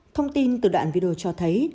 thông tin từ đoạn video cho thấy